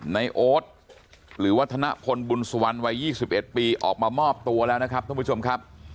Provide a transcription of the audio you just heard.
โอ๊ตหรือวัฒนพลบุญสุวรรณวัย๒๑ปีออกมามอบตัวแล้วนะครับท่านผู้ชมครับ